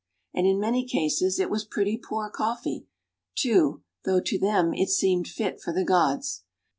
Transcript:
And in many cases it was pretty poor coffee, too, though to them it seemed fit for the gods.